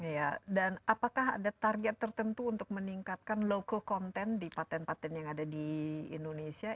iya dan apakah ada target tertentu untuk meningkatkan local content di patent patent yang ada di indonesia